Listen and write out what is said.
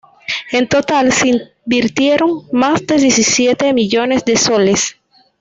En total se invirtieron más de diecisiete millones de soles.